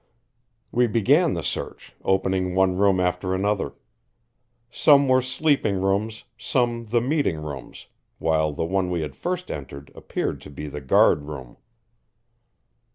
We began the search, opening one room after another. Some were sleeping rooms, some the meeting rooms, while the one we had first entered appeared to be the guard room.